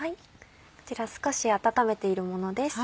こちら少し温めているものです。